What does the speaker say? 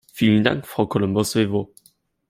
Vielen Dank, Frau Colombo Svevo.